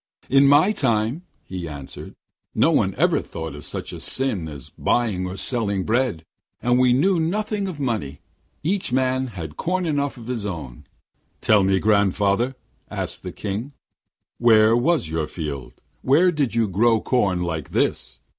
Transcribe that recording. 'In my time,' he answered, 'no one ever thought of such a sin as buying or selling bread; and we knew nothing of money. Each man had corn enough of his own.' 'Then tell me, grandfather,' asked the King, 'where was your field, where did you grow corn like this?'